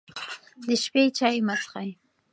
د شپې چای مه څښئ.